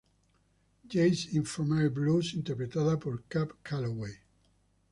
James Infirmary Blues", interpretada por Cab Calloway.